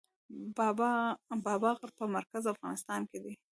بابا غر په مرکزي افغانستان کې دی